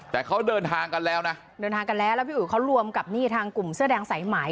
แต่เขาเดินทางกันแล้วนะเดินทางกันแล้วแล้วพี่อุ๋ยเขารวมกับนี่ทางกลุ่มเสื้อแดงสายไหม